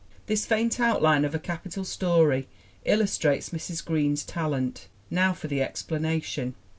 This faint outline of a capital story illustrates Mrs. Green's talent. Now for the explanation.